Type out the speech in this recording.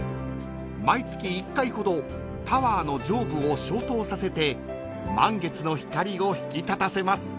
［毎月１回ほどタワーの上部を消灯させて満月の光を引き立たせます］